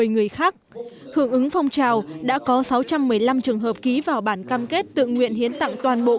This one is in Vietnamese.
một mươi người khác hưởng ứng phong trào đã có sáu trăm một mươi năm trường hợp ký vào bản cam kết tự nguyện hiến tặng toàn bộ